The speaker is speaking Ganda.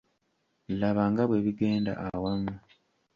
Laba nge bwe bigenda awamu